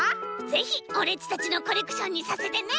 ぜひオレっちたちのコレクションにさせてね！